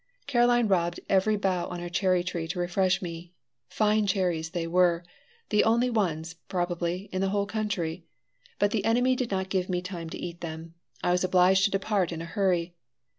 Caroline robbed every bough on her cherry tree to refresh me. Fine cherries they were the only ones, probably, in the whole country. But the enemy did not give me time to eat them; I was obliged to depart in a hurry.